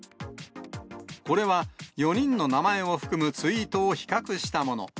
これは４人の名前を含むツイートを比較したもの。